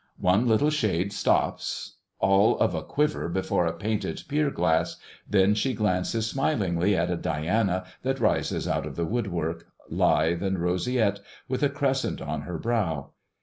One little shade stops, all of a quiver, before a painted pier glass; then she glances smilingly at a Diana that rises out of the wood work, lithe and roseate, with a crescent on her brow.